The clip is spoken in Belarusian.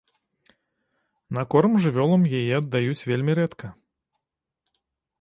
На корм жывёлам яе аддаюць вельмі рэдка.